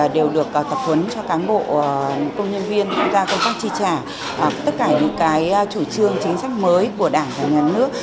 đều được tập huấn cho cán bộ công nhân viên tham gia công tác chi trả tất cả những chủ trương chính sách mới của đảng và nhà nước